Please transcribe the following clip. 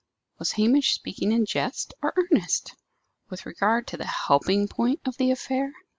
Was Hamish speaking in jest, or earnest, with regard to the helping point of the affair?